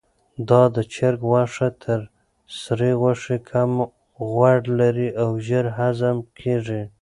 دا د چرګ غوښه تر سرې غوښې کمه غوړ لري او ژر هضم کیږي.